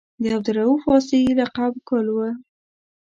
د عبدالرؤف واسعي لقب ګل و.